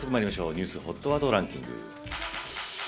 ニュースＨＯＴワードランキング。